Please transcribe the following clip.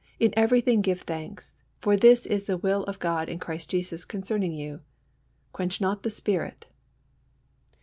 In everything give thanks: for this is the will of God in Christ Jesus concerning you. Quench not the Spirit."